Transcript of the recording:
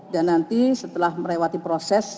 dan nanti setelah melewati proses